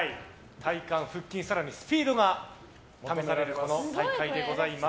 体幹、腹筋、更にスピードが試される大会でございます。